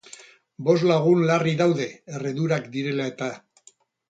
Bost lagun larri daude, erredurak direla eta.